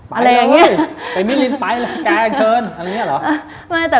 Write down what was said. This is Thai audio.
ไปเลยไปมิลลินไปแกเชิญ